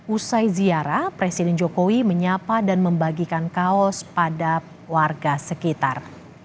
usai ziarah presiden jokowi menyapa dan membagikan kaos pada warga sekitar